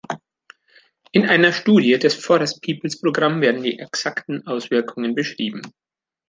In einer Studie des Forest-Peoples-Programms werden die exakten Auswirkungen beschrieben.